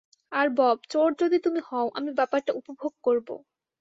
আর Bob, চোর যদি তুমি হও, আমি ব্যাপারটা উপভোগ করব।